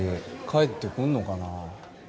帰ってくんのかな？